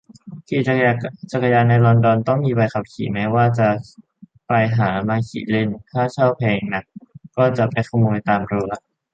ขี่จักรยานในลอนดอน ต้องมีใบขับขี่ไหม ว่าจะไปหามาขี่เล่น ถ้าเช่าแพงนัก ก็จะไปขโมยตามรั้ว